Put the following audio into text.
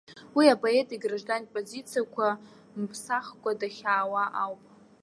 Уи апоет играждантә позициақәа мԥсахкәа дахьаауа ауп.